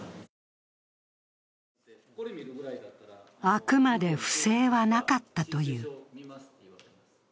あくまで不正はなかったという。